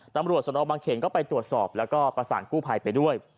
ตำรวจสนบางเขนก็ไปตรวจสอบแล้วก็ประสานกู้ภัยไปด้วย